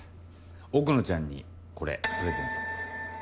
奥野ちゃんにこれプレゼント。